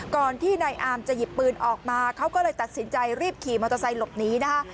ก่อนที่นายอามจะหยิบปืนออกมาเขาก็เลยตัดสินใจรีบขี่มอเตอร์ไซค์หลบหนีนะคะ